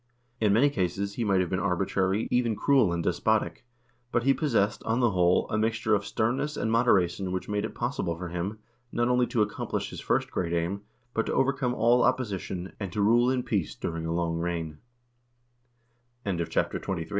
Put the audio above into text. In many cases he might have been arbitrary, even cruel and despotic, but he possessed, on the whole, a mixture of sternness and moderation which made it possible for him, not only to accomplish his first great aim, but to overcome all opposition, and to rule in peace durin